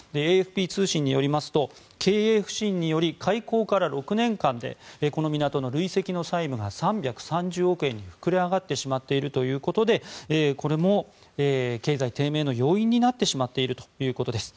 ＡＦＰ通信によりますと経営不振により開港から６年間でこの港の累積の債務が３３０億円に膨れ上がってしまっているということでこれも経済低迷の要因になってしまっているということです。